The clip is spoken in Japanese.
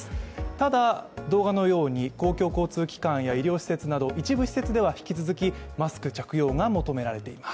ただ、動画のように公共交通機関や医療施設など一部施設では引き続きマスク着用が求められています。